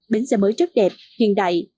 bến xe mới rất đẹp hiện đại